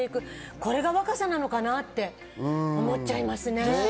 これが若さなのかなって思っちゃいますね。